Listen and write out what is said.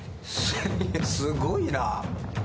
すごいな。